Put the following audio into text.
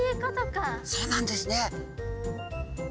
そうなんですね。